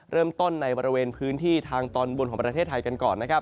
เริ่มต้นในบริเวณพื้นที่ทางตอนบนของประเทศไทยกันก่อนนะครับ